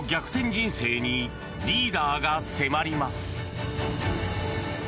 人生にリーダーが迫ります。